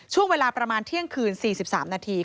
ช่วงเวลาประมาณเที่ยงคืน๔๓นาที